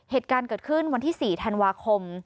เหตุการณ์เกิดขึ้นวันที่๔ธันวาคม